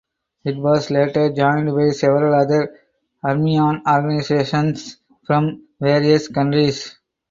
It was later joined by several other Aramean organizations from various countries.